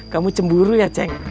kamu cemburu ya ceng